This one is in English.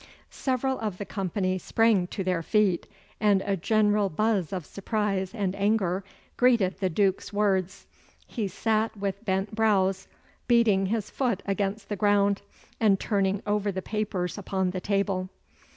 Several of the company sprang to their feet, and a general buzz of surprise and anger greeted the Duke's words. He sat with bent brows, beating his foot against the ground, and turning over the papers upon the table.